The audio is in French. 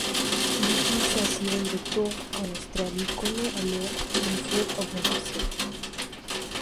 L'utilisation de Tor en Australie connaît alors une forte augmentation.